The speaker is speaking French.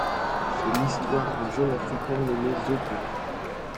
C'est l'histoire d'un jeune Africain nommé Zoka.